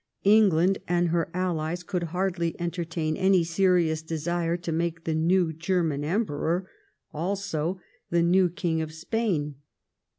England and her allies could hardly entertain any serious desire to make the new German Emperor also the new King of Spain.